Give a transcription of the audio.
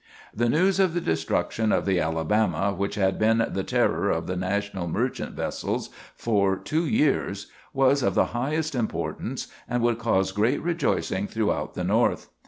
The news of the destruction of the "Alabama," which had been the terror of the National merchant vessels for two years, was of the highest importance, and would cause great rejoicing throughout the North.